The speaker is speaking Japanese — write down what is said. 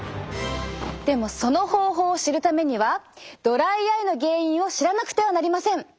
でもその方法を知るためにはドライアイの原因を知らなくてはなりません。